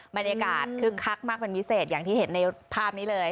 บรรยากาศคึกคักมากเป็นพิเศษอย่างที่เห็นในภาพนี้เลย